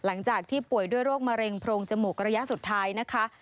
หลังจากที่ป่วยด้วยโรคมะเร็งโพรงจมูกระยะสุดท้ายนะคะ